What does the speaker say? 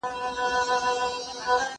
دا قلم له هغه ښه دی